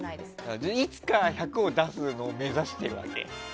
じゃあいつか１００を出すのを目指してるわけ？